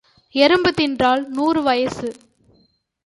எறும்பு தின்றால் நூறு வயசு.